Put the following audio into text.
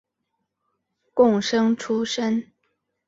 贡生出身。